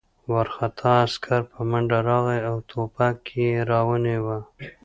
وارخطا عسکر په منډه راغی او ټوپک یې را ونیاوه